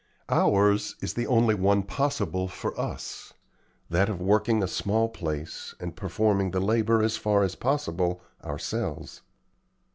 Ours is the only one possible for us that of working a small place and performing the labor, as far as possible, ourselves.